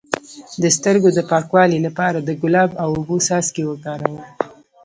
د سترګو د پاکوالي لپاره د ګلاب او اوبو څاڅکي وکاروئ